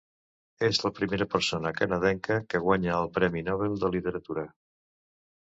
És la primera persona canadenca que guanya el Premi Nobel de Literatura.